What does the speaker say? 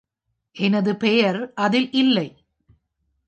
எனது பெயர் அதில் இல்லை.